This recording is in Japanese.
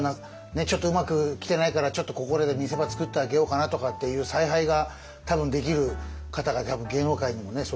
ちょっとうまく来てないからちょっとここらで見せ場作ってあげようかなとかっていう采配が多分できる方が芸能界にもねそういう先輩方いっぱいいるんで。